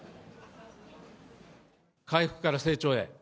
回復から成長へ。